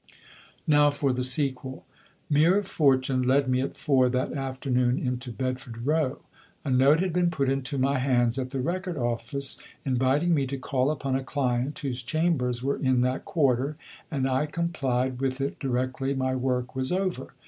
Now for the sequel. Mere fortune led me at four that afternoon into Bedford Row. A note had been put into my hands at the Record Office inviting me to call upon a client whose chambers were in that quarter, and I complied with it directly my work was over.